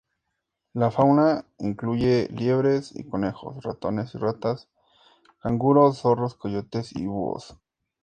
La fauna incluye liebres y conejos, ratones y ratas canguro, zorros, coyotes y búhos.